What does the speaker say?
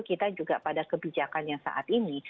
kita juga pada kebijakan yang saat ini